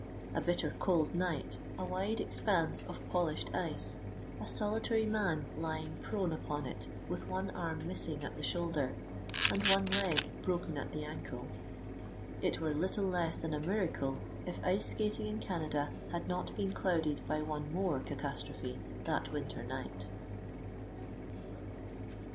A bitter cold night, a wide expanse of polished ice, a solitary man lying prone upon it with one arm missing at the shoulder, and one leg broken at the ankle—it were little less than a miracle if ice skating in Canada had not been clouded by one more catastrophe that winter night.